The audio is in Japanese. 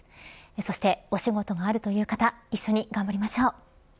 そしてお仕事のあるという方一緒に頑張りましょう。